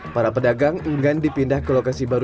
para pedagang enggan dipindah ke lokasi baru